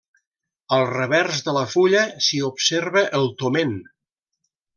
Al revers de la fulla, s'hi observa el toment.